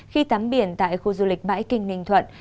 khi tắm biển tại khu du lịch bãi kinh ninh thuận